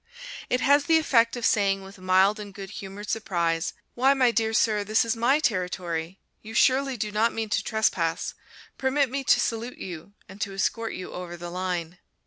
It has the effect of saying with mild and good humored surprise, "Why, my dear sir, this is my territory; you surely do not mean to trespass; permit me to salute you, and to escort you over the line."